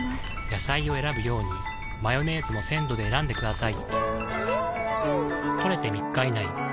野菜を選ぶようにマヨネーズも鮮度で選んでくださいん！